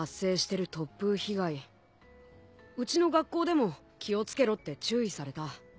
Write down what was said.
うちの学校でも気を付けろって注意された。